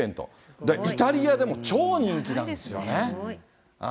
だからイタリアでも超人気なんですよね。